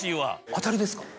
当たりですか？